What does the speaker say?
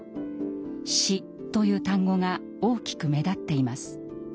「死」という単語が大きく目立っています。